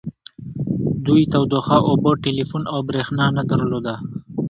دوی تودوخه اوبه ټیلیفون او بریښنا نه درلوده